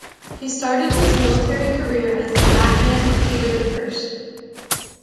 He started his military career as the batman of Peter the First.